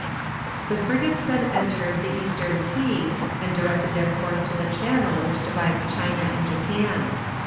The frigates then entered the Eastern Sea, and directed their course to the channel which divides China and Japan.